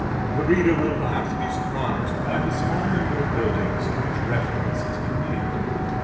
The reader will perhaps be surprised by the small number of buildings to which reference has been made.